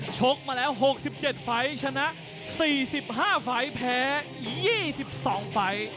ชกมาแล้ว๖๗ไฟล์ชนะ๔๕ไฟล์แพ้๒๒ไฟล์